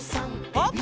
パッ！